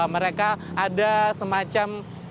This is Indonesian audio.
mereka ada semacam